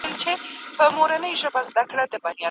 له غلیمه سو بېغمه کار یې جوړ سو